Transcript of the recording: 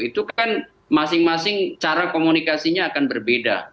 itu kan masing masing cara komunikasinya akan berbeda